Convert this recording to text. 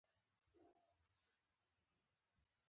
په ژوند کې به یوه ورځ زوړ کمزوری او تېروتنه کوونکی وئ.